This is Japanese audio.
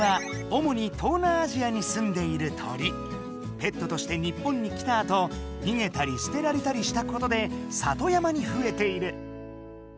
ペットとして日本に来たあとにげたり捨てられたりしたことで里山に増えている。